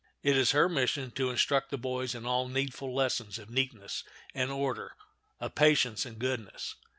It is her mission to instruct the boys in all needful lessons of neatness and order, of patience and goodness.